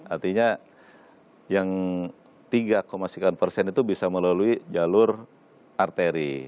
artinya yang tiga sekian persen itu bisa melalui jalur arteri